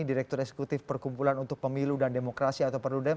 direktur eksekutif perkumpulan untuk pemilu dan demokrasi atau perludem